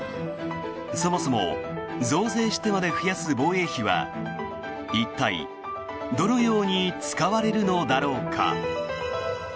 そもそも増税してまで増やす防衛費は一体、どのように使われるのだろうか。